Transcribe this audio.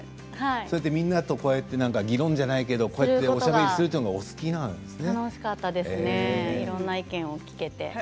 みんなと、議論じゃないけどこうやっておしゃべりするのがお好きなんですね。